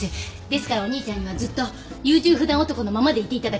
ですからお兄ちゃんにはずっと優柔不断男のままでいていただきたい。